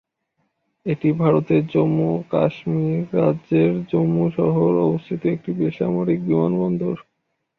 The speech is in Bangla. এটি ভারতের জম্মু ও কাশ্মীর রাজ্যের জম্মু শহরে অবস্থিত একটি বেসামরিক বিমানবন্দর।